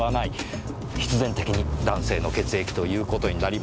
必然的に男性の血液という事になります。